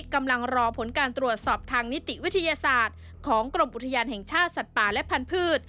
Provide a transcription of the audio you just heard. กำลังรอผลการตรวจสอบทางนิติวิทยาศาสตร์ของกรมอุทยานแห่งชาติสัตว์ป่าและพันธุ์